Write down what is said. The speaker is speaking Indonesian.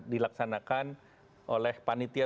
dilaksanakan oleh panitia